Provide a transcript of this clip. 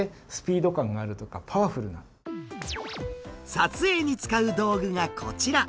撮影に使う道具がこちら。